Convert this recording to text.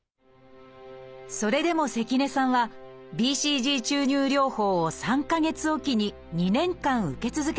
それでも関根さんはＢＣＧ注入療法を３か月おきに２年間受け続けました。